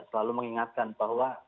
selalu mengingatkan bahwa